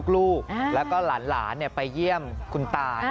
ลูกแล้วก็หลานไปเยี่ยมคุณตา